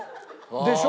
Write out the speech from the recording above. でしょ？